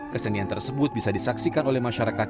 kesenian tersebut bisa disaksikan oleh masyarakat